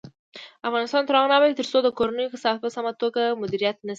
افغانستان تر هغو نه ابادیږي، ترڅو د کورونو کثافات په سمه توګه مدیریت نشي.